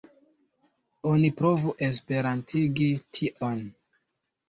Oni provu esperantigi tion.